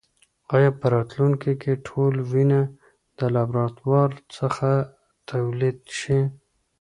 ایا په راتلونکې کې ټول وینه د لابراتوار څخه تولید شي؟